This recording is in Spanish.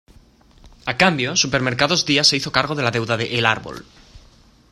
A cambio, Supermercados Dia se hizo cargo de la deuda de El Árbol.